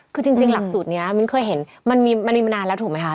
คือจริงหลักสูตรนี้มิ้นเคยเห็นมันมีมานานแล้วถูกไหมคะ